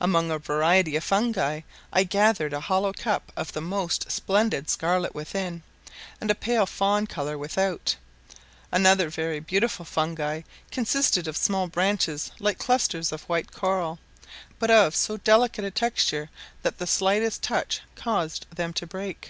Among a variety of fungi I gathered a hollow cup of the most splendid scarlet within, and a pale fawn colour without; another very beautiful fungi consisted of small branches like clusters of white coral, but of so delicate a texture that the slightest touch caused them to break.